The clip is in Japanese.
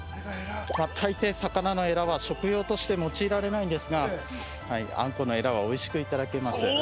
たいてい魚のえらは食用として用いられないんですがあんこうのえらはおいしくいただけます。